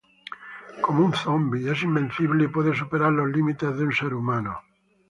Como un zombie, es invencible y puede superar los límites de un ser humano.